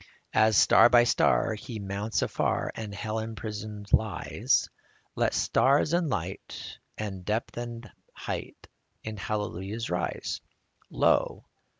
As star by star He mounts afar, And hell imprisoned lies, Let stars and light and depth and height In hallelujahs rise. Lo